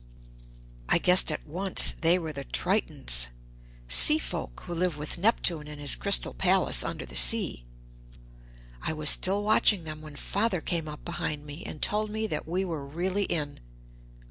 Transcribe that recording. I guessed at once that they were Tritons seafolk who live with Neptune in his crystal palace under the sea. I was still watching them when Father came up behind me, and told me that we were really in.